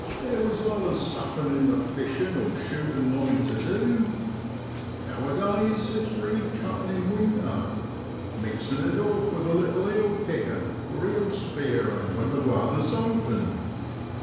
There was allus somethin' in the fishin' or shootin' line tu du. Now a days it's reed cuttin' in winter, mixin' it off with a little eel pickin' (eel spearing) when the wather's open.